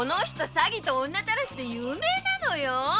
詐欺と女たらしで有名なのよ。